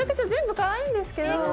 全部かわいいんですけど。